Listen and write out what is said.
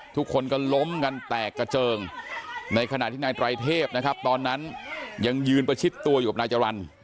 ทุกคนก็ล้มกันแตกกระเจิงในขณะที่นายไตรเทพนะครับตอนนั้นยังยืนประชิดตัวอยู่กับนายจรรย์